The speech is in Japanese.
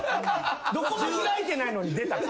どこもひらいてないのに出たの？